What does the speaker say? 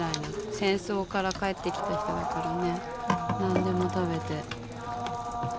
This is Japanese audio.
戦争から帰ってきた人だからね何でも食べて。